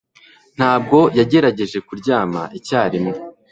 Ntabwo yagerageje kuryama icyarimwe